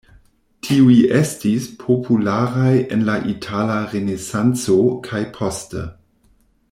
Tiuj estis popularaj en la Itala Renesanco kaj poste.